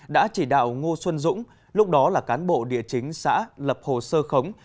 đã chỉ đạo ngô xuân dũng lúc đó là cán bộ địa chính xã lập hồ sơ khống